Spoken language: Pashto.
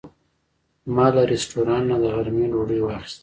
ما له رستورانت نه د غرمې ډوډۍ واخیسته.